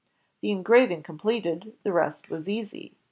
The engraving completed, the rest was easy.